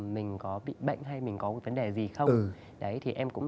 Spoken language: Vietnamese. mình có bị bệnh hay mình có vấn đề gì không